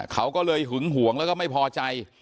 เขาก็เลยหึงหวงแล้วก็ไม่พอใจ